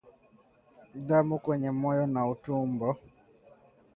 Damu kwenye moyo na utumbo